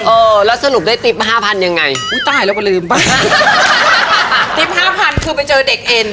เออแล้วสรุปได้ติ๊บมาห้าพันยังไงอุ้ยตายแล้วก็ลืมบ้านติ๊บห้าพันคือไปเจอเด็กเอ็น